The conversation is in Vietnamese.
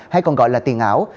hay còn gọi là tiền ảo